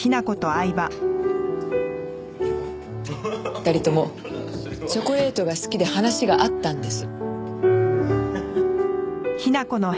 ２人ともチョコレートが好きで話が合ったんです。